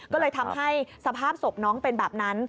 ก็เลยทำให้สภาพศพน้องเป็นแบบนั้น